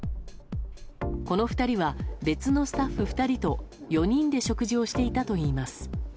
この２人は別のスタッフ２人と４人で食事をしていたといいます。